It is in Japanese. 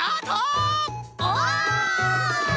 お！